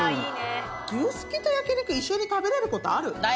牛すきと焼肉一緒に食べれることある？